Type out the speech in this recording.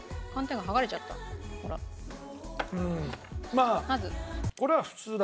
まあ。